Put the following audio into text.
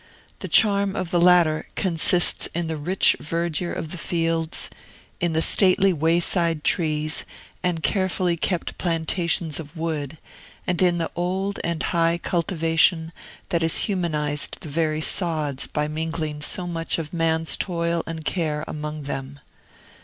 The charm of the latter consists in the rich verdure of the fields, in the stately wayside trees and carefully kept plantations of wood, and in the old and high cultivation that has humanized the very sods by mingling so much of man's toil and care among them.